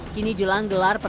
kini jelang gelar pertempuran